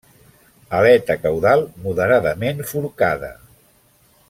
Aleta caudal moderadament forcada.